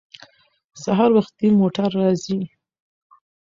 سهار وختي موټر راځي.